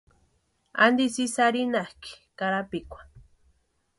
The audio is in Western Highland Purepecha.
¿Antisï ísï arhinhakʼi karapikwa?